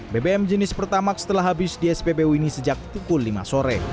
bbm jenis pertamax telah habis di spbu ini sejak pukul lima sore